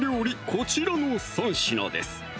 こちらの３品です